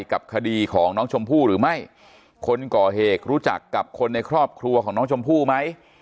กับคดีของน้องชมพู่หรือไม่คนก่อเหตุรู้จักกับคนในครอบครัวของน้องชมพู่ไหม